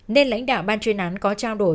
nên lãnh đạo ban chuyên án có trao đổi